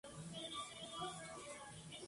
Y lo siento, pero no funciona.